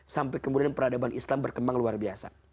sampai kemudian peradaban islam berkembang luar biasa